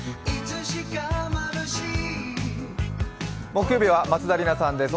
木曜日は松田里奈さんです。